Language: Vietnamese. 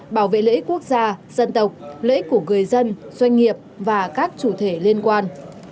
bảo vệ lễ quốc gia dân tộc lễ của người dân doanh nghiệp và các chủ thể liên quan